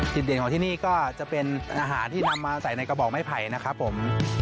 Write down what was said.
เด่นของที่นี่ก็จะเป็นอาหารที่นำมาใส่ในกระบอกไม้ไผ่นะครับผม